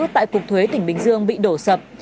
tại cục thuế tỉnh bình dương bị đổ sập